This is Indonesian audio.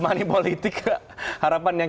moneypolitik harapan yang